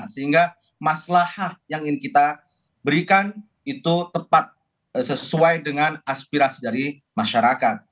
sehingga masalah yang ingin kita berikan itu tepat sesuai dengan aspirasi dari masyarakat